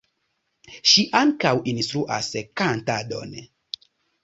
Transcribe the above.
Ŝi ankaŭ instruas kantadon.